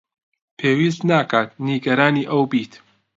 پێویست ناکات نیگەرانی ئەو بێت.